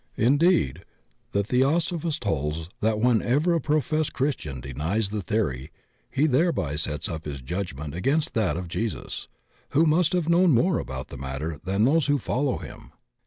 Indeed, the theosophist holds that whenever a pro fessed Christian denies the theory he thereby sets up his judgment against that of Jesus, who must have known more about the matter than those who follow him.